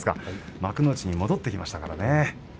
幕内に戻ってきましたからね。